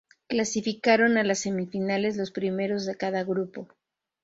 Clasificaron a las semifinales los primeros de cada grupo.